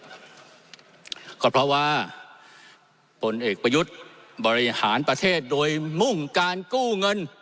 ก็เพราะว่าผลเอกประยุทธ์บริหารประเทศโดยมุ่งการกู้เงิน